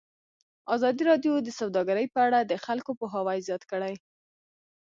ازادي راډیو د سوداګري په اړه د خلکو پوهاوی زیات کړی.